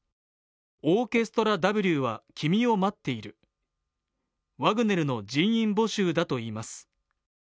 オーケストラＷは君を待っているワグネルの人員募集だといいます